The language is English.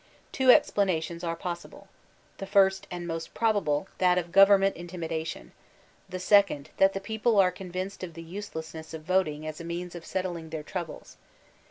Two explanations are possible: the first, and most probable, that of govern' mmtal intimidation; the second, that the people are con vinced of the uselessness of voting as a means of settling their troubles.